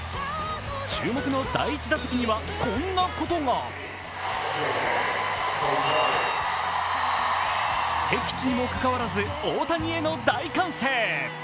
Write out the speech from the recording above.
注目の第１打席には、こんなことが敵地にもかかわらず大谷への大歓声。